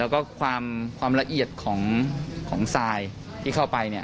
แล้วก็ความละเอียดของสายที่เข้าไป